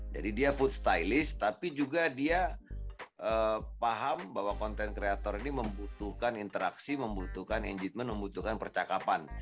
jadi dia food stylist tapi juga dia paham bahwa content creator ini membutuhkan interaksi membutuhkan engine membutuhkan percakapan